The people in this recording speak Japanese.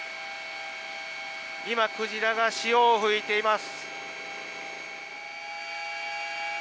今、クジラが潮を吹いています。